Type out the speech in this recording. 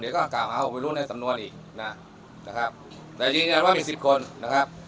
เดี๋ยวก็กล่าวเอาไปรู้ในสำนวนอีกนะครับแต่จริงอยากว่ามีสิบคนนะครับ